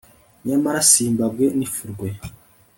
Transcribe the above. nyamara simbabwe n'ifurwe